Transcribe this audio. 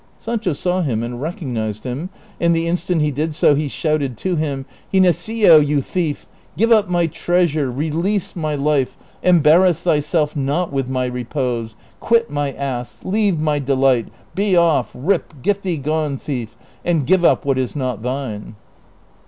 Sancho saw him and recog nized him, and the instant he did so he shouted to him, " Ginesillo, you thief, give up my treasure, release my life, embarrass thyself not with my repose, quit my ass, leave my delight, be off, rip, get thee gone, thief, and give up what is not thine."